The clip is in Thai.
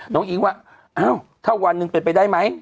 อิ๊งว่าอ้าวถ้าวันหนึ่งเป็นไปได้ไหม